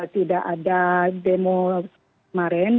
tidak ada demo kemarin